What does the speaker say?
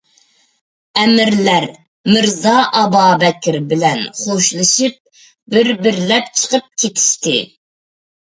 ئەمىرلەر مىرزا ئابابەكرى بىلەن خوشلىشىپ بىر-بىرلەپ چىقىپ كېتىشتى.